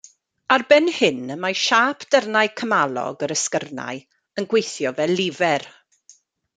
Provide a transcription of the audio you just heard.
Ar ben hyn y mae siâp darnau cymalog yr esgyrnynnau yn gweithio fel lifer.